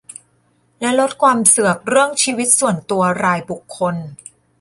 และลดความเสือกเรื่องชีวิตส่วนตัวรายบุคคล